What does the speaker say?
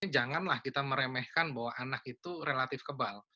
janganlah kita meremehkan bahwa anak itu relatif kebal